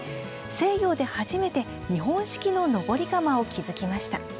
西洋で初めて日本式の登り窯を築きました。